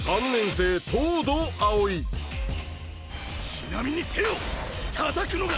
ちなみに手を叩くのが。